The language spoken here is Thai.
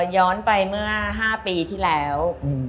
ย้อนไปเมื่อ๕ปีที่แล้ว